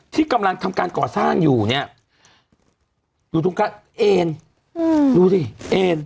ที่กำลังทำการก่อสร้างอยู่เนี่ยดูทุกคนเอ็นอืมดูดิเอ็น